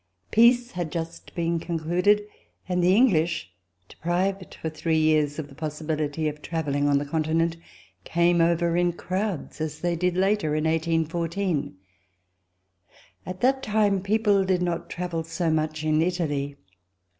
Peace had just been concluded, and the English, deprived for three years of the possi bility of travelling on the Continent, came over in crowds, as they did later in 18 14. At that time people did not travel so much in Italy.